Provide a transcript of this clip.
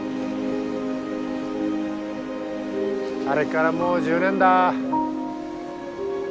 あれからもう１０年だ。